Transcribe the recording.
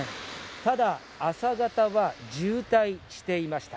ただ、朝方は渋滞していました。